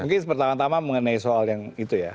mungkin pertama tama mengenai soal yang itu ya